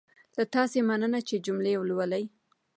له تاسې مننه چې جملې لولئ.